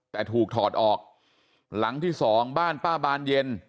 แต่ถูกถอดออกหลังที่สองบ้านป้าบานเย็น